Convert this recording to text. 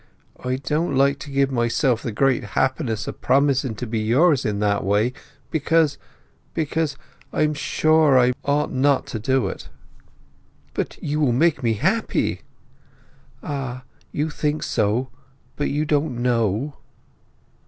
I don't like to give myself the great happiness o' promising to be yours in that way—because—because I am sure I ought not to do it." "But you will make me happy!" "Ah—you think so, but you don't know!"